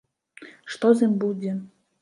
Што з ім будзе?